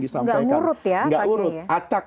disampaikan enggak urut ya enggak urut acak